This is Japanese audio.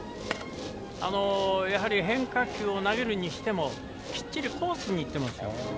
やはり変化球を投げるにしてもきっちりコースに行ってますよ。